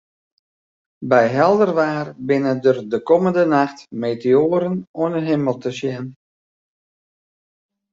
By helder waar binne der de kommende nacht meteoaren oan 'e himel te sjen.